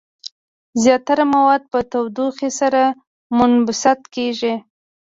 زیاتره مواد په تودوخې سره منبسط کیږي.